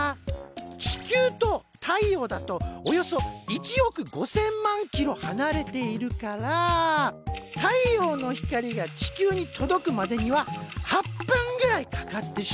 地球と太陽だとおよそ１億５，０００万ｋｍはなれているから太陽の光が地球に届くまでには８分ぐらいかかってしまうんだ。